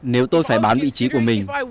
nếu tôi phải bán vị trí của mình